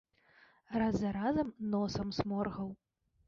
Раз за разам носам сморгаў.